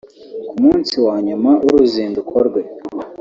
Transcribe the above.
Ku munsi wa nyuma w’uruzinduko rwe